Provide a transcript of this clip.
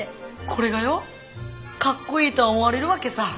これがよ格好いいと思われるわけさ。